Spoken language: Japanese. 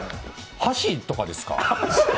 箸とかですか。